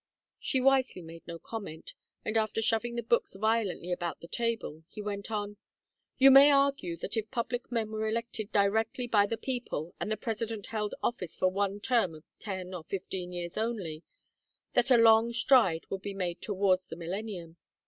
She wisely made no comment, and after shoving the books violently about the table he went on: "You may argue that if public men were elected directly by the people and the President held office for one term of ten or fifteen years only, that a long stride would be made towards the millennium.